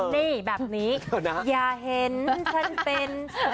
นี่แบบนี้อย่าเห็นฉันเป็น